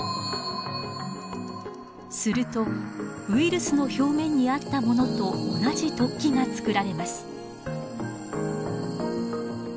するとウイルスの表面にあったものと同じ突起が作られます。